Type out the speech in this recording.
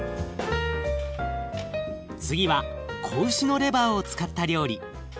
次は子牛のレバーを使った料理。